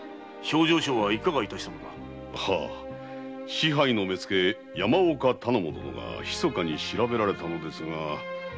支配の目付・山岡頼母殿がひそかに調べられたのですが。